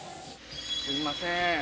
すいません。